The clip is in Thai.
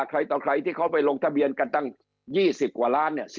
ใครต่อใครที่เขาไปลงทะเบียนกันตั้ง๒๐กว่าล้านเนี่ย